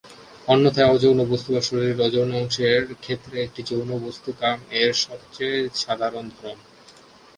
অন্যথায় অযৌন বস্তু বা শরীরের অযৌন অংশের ক্ষেত্রে এটি যৌন বস্তুকাম-এর সবচেয়ে সাধারণ ধরন।